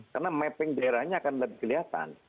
karena mapping daerahnya akan lebih kelihatan